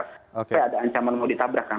sampai ada ancaman mau ditabrak kan